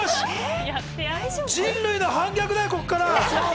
人類の反逆だよ、ここから。